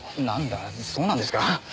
なんだそうなんですか。